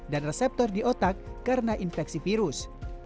dan reseptor di otak karena infeksi virus